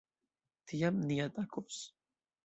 Tiam, ni atakos.